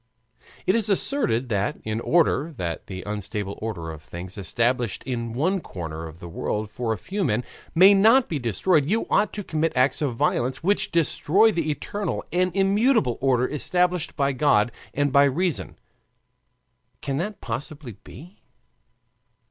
It is asserted that, in order that the unstable order of things, established in one corner of the world for a few men, may not be destroyed, you ought to commit acts of violence which destroy the eternal and immutable order established by God and by reason. Can that possibly be?